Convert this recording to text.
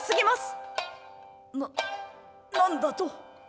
「な何だと？」。